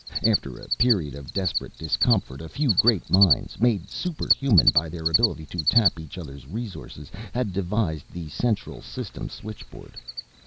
After a period of desperate discomfort a few great minds, made superhuman by their ability to tap each others' resources, had devised the Central System Switchboard.